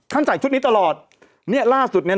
ใส่ชุดนี้ตลอดเนี่ยล่าสุดเนี่ย